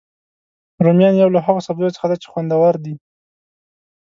رومیان یو له هغوسبزیو څخه دي چې خوندور دي